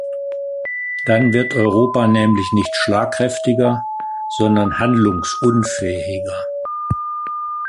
Dann wird Europa nämlich nicht schlagkräftiger, sondern handlungsunfähiger.